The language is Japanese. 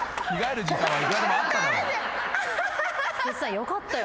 よかったよ。